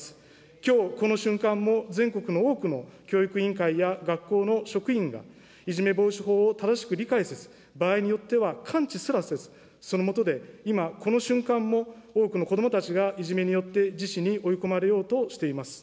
きょうこの瞬間も、全国の多くの教育委員会や学校の職員が、いじめ防止法を正しく理解せず、場合によっては関知すらせず、そのもとで今、この瞬間も多くの子どもたちがいじめによって自死に追い込まれようとしています。